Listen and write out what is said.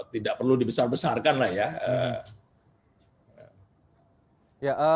tidak perlu dibesar besarkan lah ya